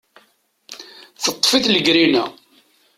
Teṭṭef-it legrina.